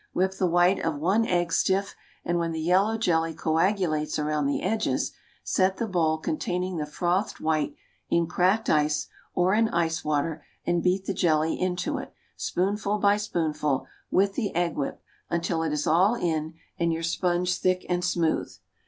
Whip the white of one egg stiff, and when the yellow jelly coagulates around the edges, set the bowl containing the frothed white in cracked ice or in ice water and beat the jelly into it, spoonful by spoonful, with the egg whip, until it is all in and your sponge thick and smooth.